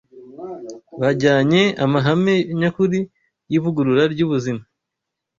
Bajyane amahame nyakuri y’ivugurura ry’ubuzima